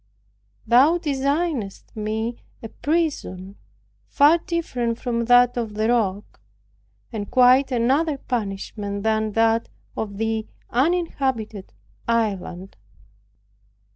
Thou designedst me a prison far different from that of the rock, and quite another banishment than that of the uninhabited island.